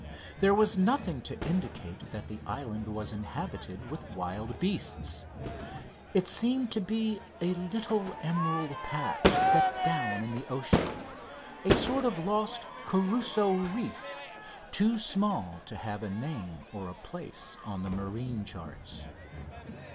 There was nothing to indicate that the island was inhabited with wild beasts. It seemed to be a little emerald patch set down in the ocean, a sort of lost Crusoe reef, too small to have a name or a place on the marine charts.